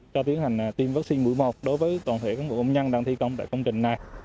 cho tiến hành tiêm vaccine mũi một đối với toàn thể cán bộ công nhân đang thi công tại công trình này